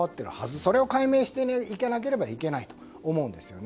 それを解明していかなければいけないと思うんですよね。